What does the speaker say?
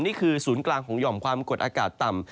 นี่คือศูนย์กลางของหย่อมความกดอากาศต่ำ